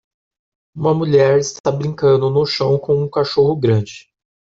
Uma mulher está brincando no chão com um cachorro grande.